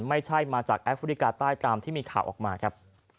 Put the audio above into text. ไม่ใช่มาจากแอฟริกาใต้ตามที่มีข่าวออกมาครับ